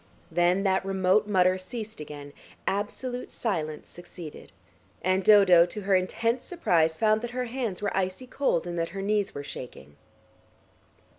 Then that remote mutter ceased again, absolute silence succeeded, and Dodo, to her intense surprise, found that her hands were icy cold and that her knees were shaking.